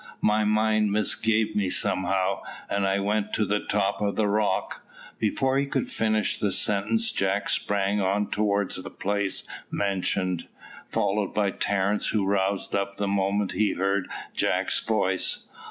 "My mind misgave me somehow, and I went to the top of the rock." Before he could finish the sentence Jack sprang on towards the place mentioned, followed by Terence, who roused up the moment he heard Jack's voice.